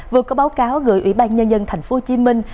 vừa có báo cáo gửi ủy ban nhân dân thành phố hồ chí minh